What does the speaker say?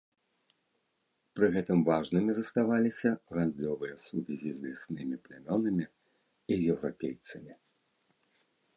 Пры гэтым важнымі заставаліся гандлёвыя сувязі з ляснымі плямёнамі і еўрапейцамі.